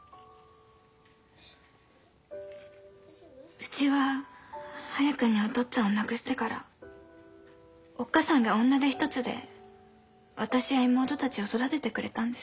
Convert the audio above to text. うちは早くにお父っつぁんを亡くしてからおっ母さんが女手一つで私や妹たちを育ててくれたんです。